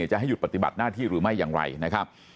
จะให้หยุดปฏิบัติหน้าที่หรือไม่อย่างไรนะครับ